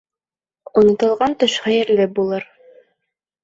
Онотолған төш хәйерле булыр.